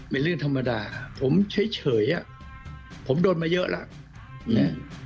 เป็นเรื่องธรรมดาผมเฉยอ่ะผมโดนมาเยอะแล้วนะ